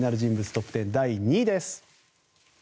トップ１０第２位です。